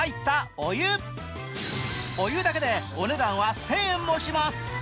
お湯だけでお値段は１０００円もします。